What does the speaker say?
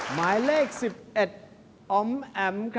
หมายเลข๑๑อ๋อมแอ๋ม